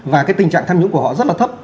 và cái tình trạng tham nhũng của họ rất là thấp